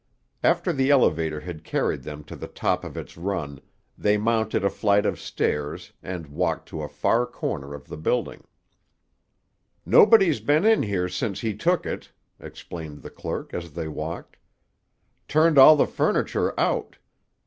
After the elevator had carried them to the top of its run, they mounted a flight of stairs, and walked to a far corner of the building. "Nobody's been in here since he took it," explained the clerk as they walked. "Turned all the furniture out.